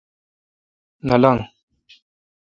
نہ لنگ۔